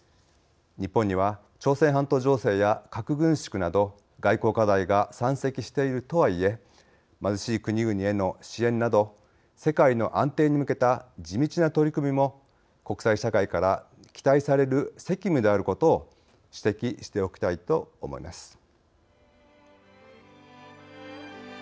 日本には朝鮮半島情勢や核軍縮など外交課題が山積しているとはいえ貧しい国々への支援など世界の安定に向けた地道な取り組みも国際社会から期待される責務であることを指摘しておきたいと思います。